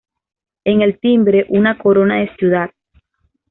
En el timbre, una corona de ciudad.